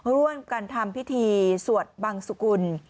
ร่วมกันทำพิธีสวดบังสุกุล